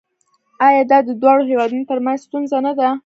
آیا دا د دواړو هیوادونو ترمنځ ستونزه نه ده؟